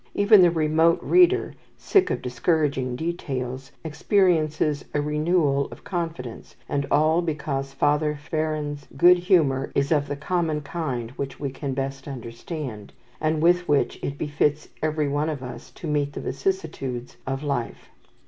Even the remote reader, sick of discouraging details, experiences a renewal of confidence, and all because Father Feron's good humour is of the common kind which we can best understand, and with which it befits every one of us to meet the vicissitudes of life.